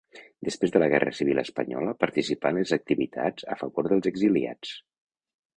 Després de la guerra civil espanyola participà en les activitats a favor dels exiliats.